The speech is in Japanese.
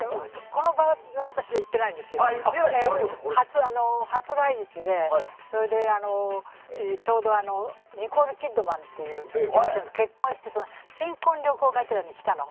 その場に私はいないんですけど、初来日でそれでちょうどニコール・キッドマンと結婚して新婚旅行がてらに来たの。